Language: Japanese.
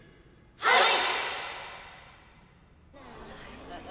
はい！